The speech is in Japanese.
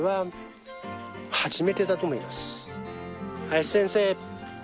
林先生。